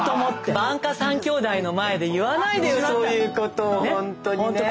番家３きょうだいの前で言わないでよそういうことをほんとにね。